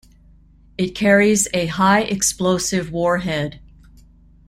It carries a high explosive warhead.